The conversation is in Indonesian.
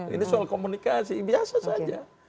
ini soal komunikasi biasa saja